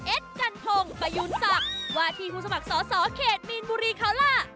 เอ็ดกันทงมายุนศักดิ์วาธิผู้สมัครสอสอเขตมีนบุรีเขาล่ะ